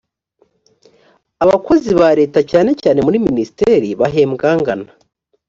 abakozi ba leta cyane cyane muri minisiteri bahembwa angana.